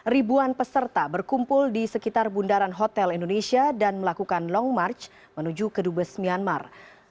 ribuan peserta berkumpul di sekitar bundaran hotel indonesia dan melakukan long march menuju ke dubes myanmar